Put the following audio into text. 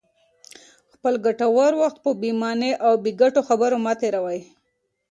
خپل ګټور وخت په بې مانا او بې ګټې خبرو مه تېروئ.